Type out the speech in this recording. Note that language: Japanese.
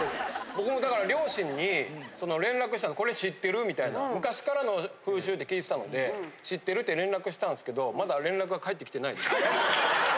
僕もだから両親に連絡したの、これ知ってる？みたいな、昔からの風習って聞いてたので、知ってる？って連絡したんですけれども、まだ連絡が返ってきてない。